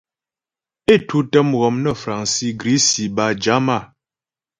É tǔtə mghɔm nə́ fraŋsi, grisi bâ jama.